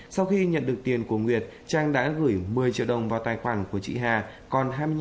sau khi nhận được tiền của nguyệt trang đã gửi một mươi triệu đồng vào tài khoản của chị hà còn hai mươi năm triệu đồng trang tri tiêu cá nhân